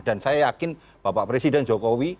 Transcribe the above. dan saya yakin bapak presiden jokowi